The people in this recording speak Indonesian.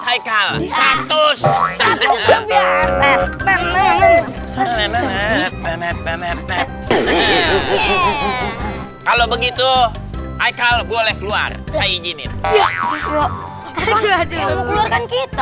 hai kalau begitu aikal boleh keluar saya ijinin